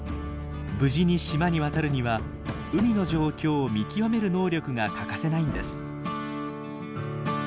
無事に島に渡るには海の状況を見極める能力が欠かせないんです。